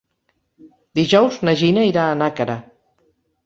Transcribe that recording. Dijous na Gina irà a Nàquera.